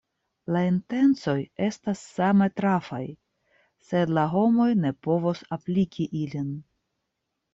La intencoj estas same trafaj, sed la homoj ne povos apliki ilin.